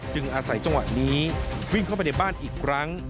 อาศัยจังหวะนี้วิ่งเข้าไปในบ้านอีกครั้ง